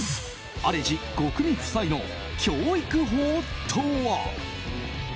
アレジ・ゴクミ夫妻の教育法とは？